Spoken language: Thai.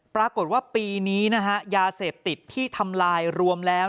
ปรากฏว่าปีนี้นะฮะยาเสพติดที่ทำลายรวมแล้ว